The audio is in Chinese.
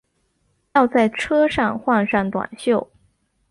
要在车上换上短袖